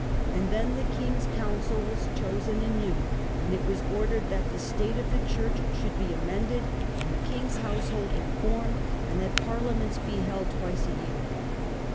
And then the king's The Provision* council was chosen anew, and it was ordered o^Ox{oTd,i2^. that the state of the church should be amended and the king's household reformed, and that parliaments be held twice a year.